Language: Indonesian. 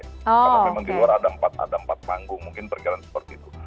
karena memang di luar ada empat panggung mungkin perjalanan seperti itu